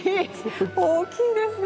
大きいですね